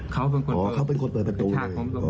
เขาเป็นคนอ๋อเขาเป็นคนเปิดประตูเลย